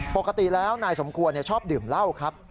ปกติแล้วนายสมควรชอบดื่มเหล้าครับ